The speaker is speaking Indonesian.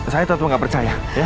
saya tetap nggak percaya ya